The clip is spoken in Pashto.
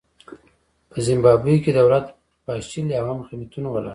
په زیمبابوې کې دولت پاشلی او عامه خدمتونه ولاړ دي.